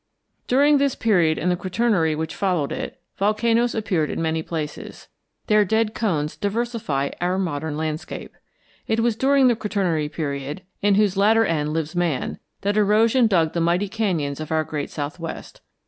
During this period and the Quaternary which followed it, volcanoes appeared in many places; their dead cones diversify our modern landscape. It was during the Quaternary Period, in whose latter end lives man, that erosion dug the mighty canyons of our great southwest.